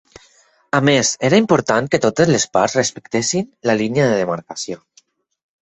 A més, era important que totes les parts respectessin la línia de demarcació.